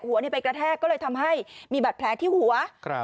หัวนี้ไปกระแทกก็เลยทำให้มีบัดแผลที่หัวครับ